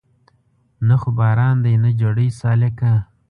نه خو باران دی نه جړۍ سالکه